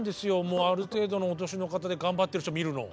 もうある程度のお年の方で頑張ってる人見るの。